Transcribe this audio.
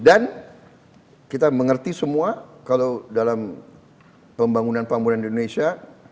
dan kita mengerti semua kalau dalam pembangunan pembangunan di indonesia